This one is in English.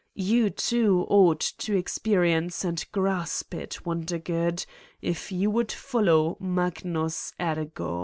You, too, ought to experience and grasp it, Wondergood, if you would follow Magnus Ergo."